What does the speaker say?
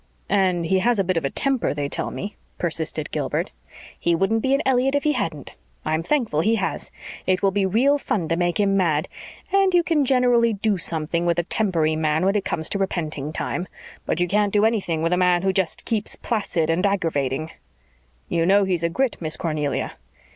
"And he has a bit of a temper, they tell me," persisted Gilbert. "He wouldn't be an Elliott if he hadn't. I'm thankful he has. It will be real fun to make him mad. And you can generally do something with a tempery man when it comes to repenting time. But you can't do anything with a man who just keeps placid and aggravating." "You know he's a Grit, Miss Cornelia."